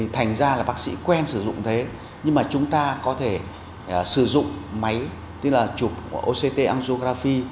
thành ra là bác sĩ quen sử dụng thế nhưng mà chúng ta có thể sử dụng máy chụp oct angiography